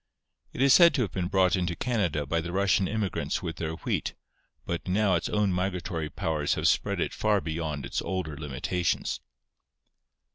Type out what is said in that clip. It is said to have been brought into Canada by the Russian immigrants with their wheat, but now its own migratory powers have spread it far beyond its older limita tions.